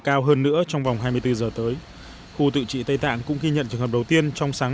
cao hơn nữa trong vòng hai mươi bốn giờ tới khu tự trị tây tạng cũng ghi nhận trường hợp đầu tiên trong sáng